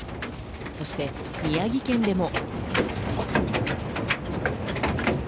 そして、宮城県でも。